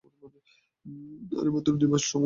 আমাকে মাত্র দুই মাস সময় দিন!